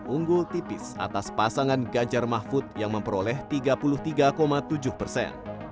unggul tipis atas pasangan ganjar mahfud yang memperoleh tiga puluh tiga tujuh persen